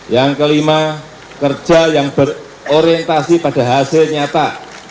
yang kelima kerja yang berorientasi pada hasil nyata